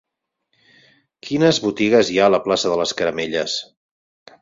Quines botigues hi ha a la plaça de les Caramelles?